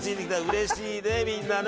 嬉しいねみんなね。